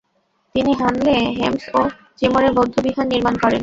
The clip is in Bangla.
তিনি হানলে, হেমিস ও চেমরে বৌদ্ধবিহার নির্মাণ করেন।